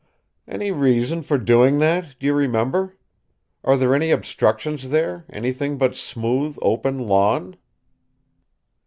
"Any reason for doing that, do you remember? Are there any obstructions there, anything but smooth, open lawn?"